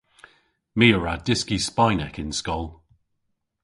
My a wra dyski Spaynek yn skol.